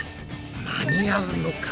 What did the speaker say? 間に合うのか？